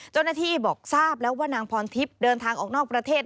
เจ้าหน้าที่บอกทราบแล้วว่านางพรทิพย์เดินทางออกนอกประเทศ